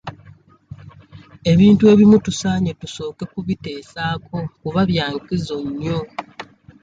Ebintu ebimu tusaanye tusooke kubiteesaako kuba bya nkizo nnyo.